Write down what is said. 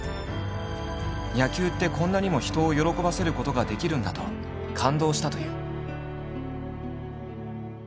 野球ってこんなにも人を喜ばせることができるんだと感動したという。